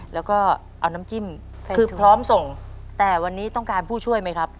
แล้วก็เอาน้ำจิ้มคือพร้อมส่งแต่วันนี้ต้องการผู้ช่วยไหมครับ